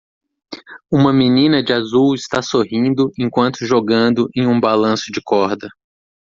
Uma menina de azul está sorrindo enquanto jogando em um balanço de corda.